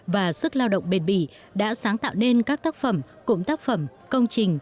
và sức lao động bền bỉ đã sáng tạo nên các tác phẩm cụm tác phẩm công trình